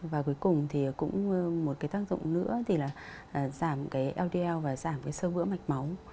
và cuối cùng thì cũng một cái tác dụng nữa thì là giảm cái ld và giảm cái sơ vỡ mạch máu